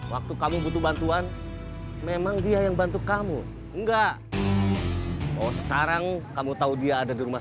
waktu kamu butuh bantuan memang dia yang bantu kamu enggak oh sekarang kamu tahu dia ada di rumah